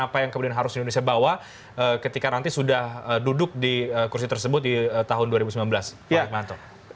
apa yang kemudian harus indonesia bawa ketika nanti sudah duduk di kursi tersebut di tahun dua ribu sembilan belas pak hikmanto